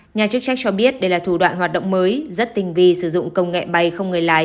nhà chức trách cho biết đây là thủ đoạn hoạt động mới rất tinh vi sử dụng công nghệ bay không người lái